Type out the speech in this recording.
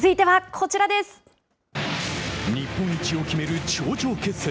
日本一を決める頂上決戦。